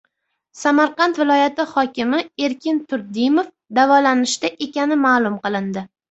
Samarqand viloyat hokimi Erkin Turdimov davolanishda ekani ma’lum qilindi